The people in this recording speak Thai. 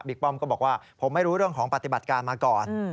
ป้อมก็บอกว่าผมไม่รู้เรื่องของปฏิบัติการมาก่อน